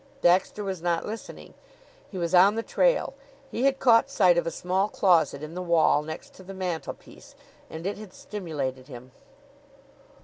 Baxter was not listening. He was on the trail. He had caught sight of a small closet in the wall, next to the mantelpiece, and it had stimulated him.